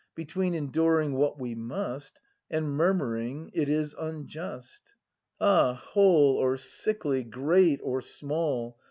Between enduring what we must. And murmuring, it is unjust! Ah, whole or sickly, great or small.